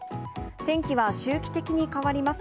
天気は周期的に変わります。